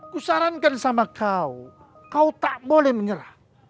kusarankan sama kau kau tak boleh menyerah